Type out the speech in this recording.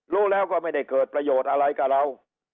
รู้แล้วก็ไม่ได้เกิดประโยชน์อะไรกับเรา